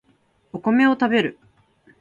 お米を食べる